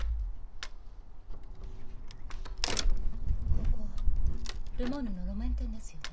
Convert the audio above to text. ここルモンヌの路面店ですよね。